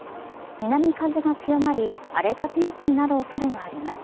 南風が強まり荒れた天気になる恐れがあります。